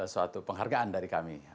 suatu penghargaan dari kami